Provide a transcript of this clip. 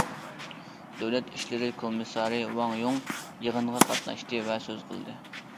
دۆلەت ئىشلىرى كومىسسارى ۋاڭ يۇڭ يىغىنغا قاتناشتى ۋە سۆز قىلدى.